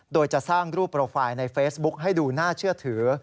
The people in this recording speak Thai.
โดยจะสร้างรูปโปรไฟล์ในเฟซบุ๊คให้ดูน่าเชื่อถือ